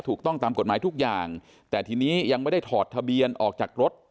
ถูกต้องตามกฎหมายทุกอย่างแต่ทีนี้ยังไม่ได้ถอดทะเบียนออกจากรถ